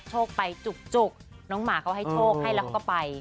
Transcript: โชคไปจุกน้องหมาเขาให้โชคให้แล้วเขาก็ไป